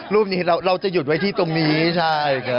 รูปนี้เราจะหยุดไว้ที่ตรงนี้ใช่